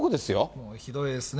もうひどいですね。